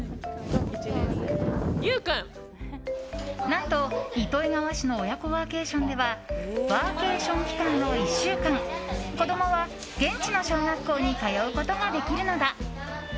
何と、糸魚川市の親子ワーケーションではワーケーション期間の１週間子供は現地の小学校に通うことができるのだ。